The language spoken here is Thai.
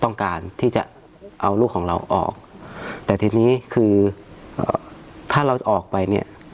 ต้องการที่จะเอาลูกของเราออกแต่ทีนี้คือถ้าเราจะออกไปเนี่ย